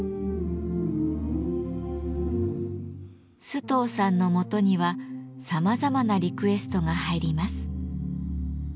須藤さんのもとにはさまざまなリクエストが入ります。